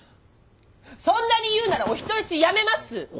そんなに言うならお人よしやめます！